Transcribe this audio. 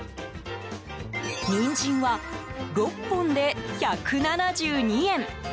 ニンジンは６本で１７２円。